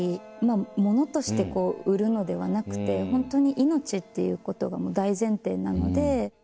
ものとして売るのではなくてホントに命っていうことが大前提なので。